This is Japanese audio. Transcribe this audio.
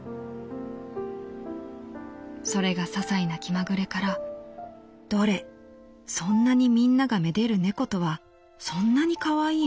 それが些細な気まぐれから『どれそんなにみんなが愛でる猫とはそんなに可愛いものなのか。